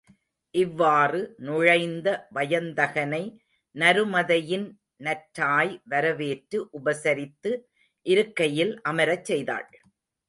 இவ்வாறு நுழைந்த வயந்தகனை நருமதையின் நற்றாய் வரவேற்று உபசரித்து, இருக்கையில் அமரச்செய்தாள்.